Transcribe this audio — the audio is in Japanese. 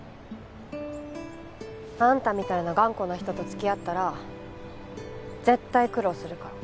あんたみたいな頑固な人と付き合ったら絶対苦労するから。